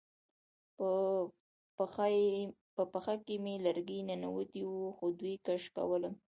په پښه کې مې لرګی ننوتی و خو دوی کش کولم